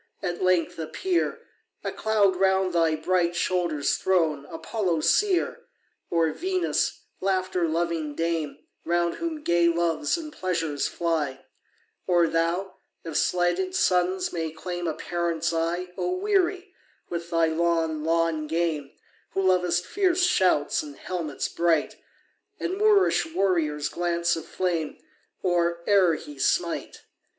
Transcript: at length appear, A cloud round thy bright shoulders thrown, Apollo seer! Or Venus, laughter loving dame, Round whom gay Loves and Pleasures fly; Or thou, if slighted sons may claim A parent's eye, O weary with thy long, long game, Who lov'st fierce shouts and helmets bright, And Moorish warrior's glance of flame Or e'er he smite!